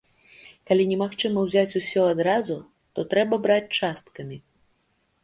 Калі немагчыма ўзяць усё адразу, то трэба браць часткамі.